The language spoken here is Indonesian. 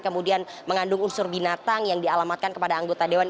kemudian mengandung unsur binatang yang dialamatkan kepada anggota dewan